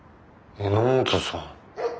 榎本さん。